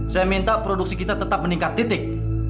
saya minta produksi kita tetap meningkat titik